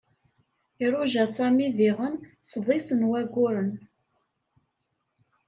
Iruja Sami diɣen sḍis n wayyuren.